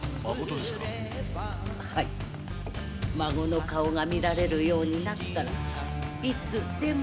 孫の顔が見られるようになったらいつでも！